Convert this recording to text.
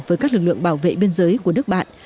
với các lực lượng bảo vệ biên giới của nước bạn